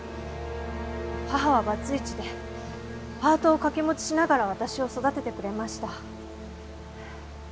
母はバツイチでパートをかけ持ちしながら私を育ててくれました。